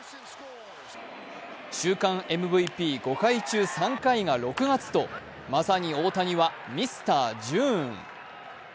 週間ＭＶＰ５回中３回が６月と、まさに大谷はミスター・ジューン。